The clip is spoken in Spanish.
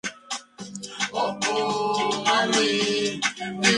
La plataforma de colección está renovada dos veces al año.